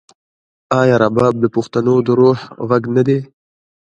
آیا رباب د پښتنو د روح غږ نه دی؟